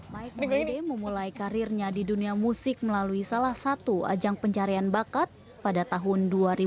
mike mohede memulai karirnya di dunia musik melalui salah satu ajang pencarian bakat pada tahun dua ribu dua